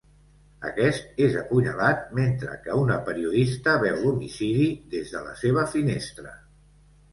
Aquest és apunyalat mentre que una periodista veu l'homicidi des de la seva finestra.